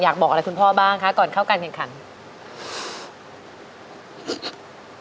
อยากบอกอะไรคุณพ่อบ้างคะก่อนเข้าการกันกันขันตรี